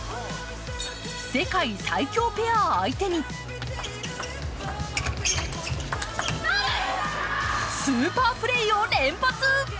世界最強ペア相手にスーパープレーを連発！